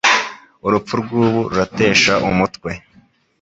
Urupfu rw'ubu ruratesha umutwe